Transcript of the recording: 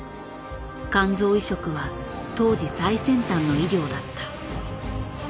肝臓移植は当時最先端の医療だった。